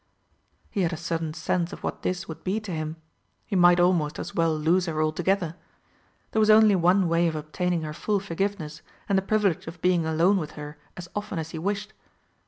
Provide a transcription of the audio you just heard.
He had a sudden sense of what this would be to him he might almost as well lose her altogether. There was only one way of obtaining her full forgiveness and the privilege of being alone with her as often as he wished.